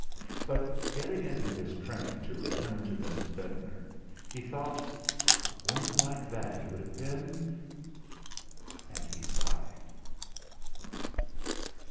But getting into his train to return to Mrs. Ventnor, he thought: 'A woman like that would have been !' And he sighed.